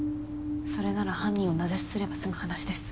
それなら犯人を名指しすれば済む話です。